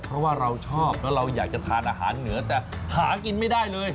เพราะว่าเราชอบแล้วเราอยากจะทานอาหารเหนือแต่หากินไม่ได้เลย